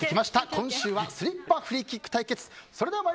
今週はスリッパフリーキック対決。